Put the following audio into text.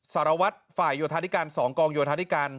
สารวัตรฝ่ายโยธาธิการ๒กองโยธาธิการ